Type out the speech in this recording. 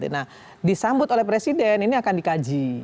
nah disambut oleh presiden ini akan dikaji